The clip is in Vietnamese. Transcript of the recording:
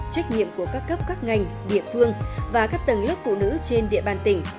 trách nhiệm của các cấp các ngành địa phương và các tầng lớp phụ nữ trên địa bàn tỉnh